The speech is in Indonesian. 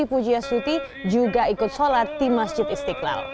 ibu pujiya suti juga ikut sholat di masjid istiqlal